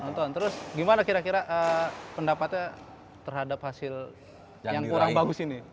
nonton terus gimana kira kira pendapatnya terhadap hasil yang kurang bagus ini